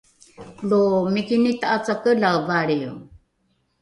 lo mikini ta’acakelae valrio